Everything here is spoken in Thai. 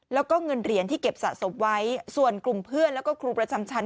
แล้วก็เงินเหรียญที่เก็บสะสมไว้ส่วนกลุ่มเพื่อนแล้วก็ครูประจำชั้น